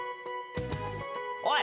おい！